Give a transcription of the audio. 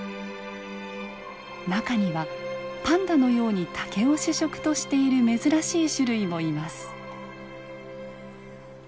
中にはパンダのように竹を主食としている珍しい種類もいます。